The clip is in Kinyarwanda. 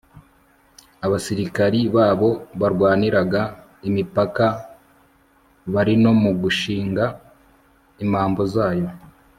abasirikari babo barwaniraga imipaka bari no mu gushinga imambo zayo